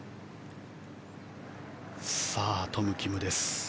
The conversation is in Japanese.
トム・キムです。